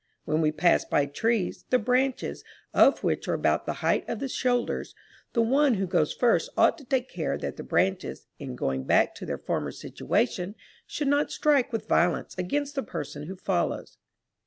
When we pass by trees, the branches of which are about the height of the shoulders, the one who goes first ought to take care that the branches, in going back to their former situation, should not strike with violence against the person who follows.